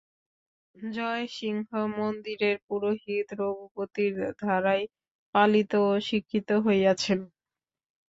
জয়সিংহ মন্দিরের পুরোহিত রঘুপতির দ্বারাই পালিত ও শিক্ষিত হইয়াছেন।